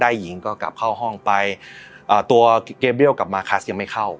หญิงก็กลับเข้าห้องไปอ่าตัวเกมเบี้ยกลับมาคัสยังไม่เข้า